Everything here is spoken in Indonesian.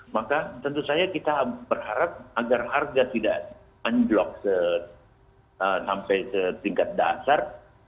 maka tentu saja kita berharap agar harga tidak anjlok sampai setingkat dasar